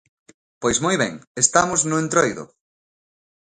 Pois moi ben, estamos no Entroido.